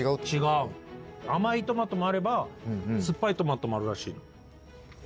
甘いトマトもあれば酸っぱいトマトもあるらしい。